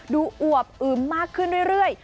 อวบอึมมากขึ้นเรื่อย